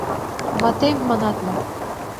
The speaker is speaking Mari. Ватем, манат мо?